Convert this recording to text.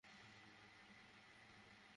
তুই ভাবিস না।